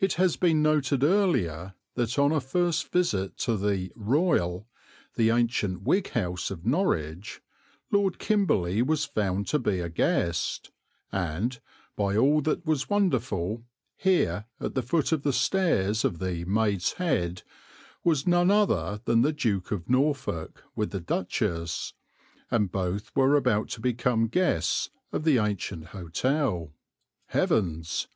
It has been noted earlier that on a first visit to the "Royal," the ancient "Whig House" of Norwich, Lord Kimberley was found to be a guest; and, by all that was wonderful, here, at the foot of the stairs of the "Maid's Head," was none other than the Duke of Norfolk with the Duchess, and both were about to become guests of the ancient hotel. Heavens!